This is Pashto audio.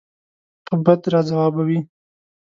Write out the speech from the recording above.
په بد راځوابوي.